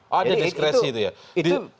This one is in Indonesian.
ada diskresi itu ya